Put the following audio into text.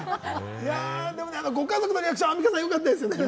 でもね、ご家族のリアクション、アンミカさん、よかったですよね？